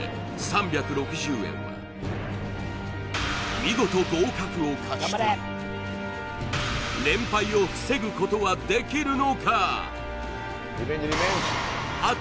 見事合格を勝ち取り連敗を防ぐことはできるのか？